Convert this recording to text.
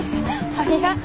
ありがと。